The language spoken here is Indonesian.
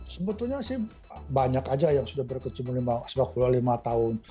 sebetulnya sih banyak aja yang sudah berkecimpung di sepak bola lima tahun